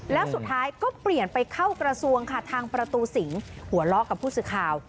แล้วสุดท้ายก็เปลี่ยนไปเข้ากระทรวงค่ะทางประตูสิงหัวเลาะกับผู้สื่อข่าว